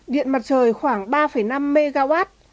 điện mặt trời khoảng ba năm mw